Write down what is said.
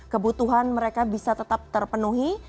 kebutuhan mereka bisa tetap terpenuhi